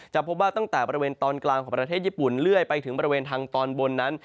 พบว่าตั้งแต่บริเวณตอนกลางของประเทศญี่ปุ่นเรื่อยไปถึงบริเวณทางตอนบนนั้น